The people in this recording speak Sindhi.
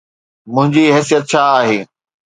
منهنجي حيثيت ڇا آهي؟